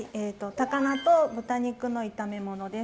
高菜と豚肉の炒め物です。